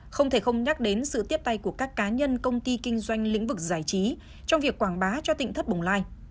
không thể không nhắc đến sự tiếp tay của các cá nhân công ty kinh doanh lĩnh vực giải trí trong việc quảng bá cho tỉnh thất bồng lai